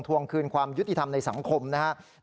วงคืนความยุติธรรมในสังคมนะครับ